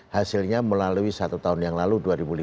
hasilnya melalui satu tahun yang lalu dua ribu lima belas